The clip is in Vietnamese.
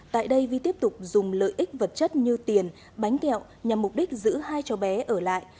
tại đây vi tiếp tục dùng lợi ích vật chất như tiền bánh kẹo nhằm mục đích giữ hai cháu bé ở lại